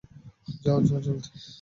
যাও, যাও জলদি।